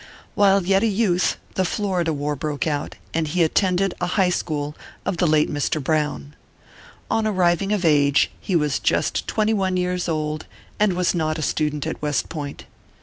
While yet a youth, the Florida war broke out, and he attended the high school of the late Mr. Brown. On arriving of age, he was just twenty one years old, and was not a student at West Point.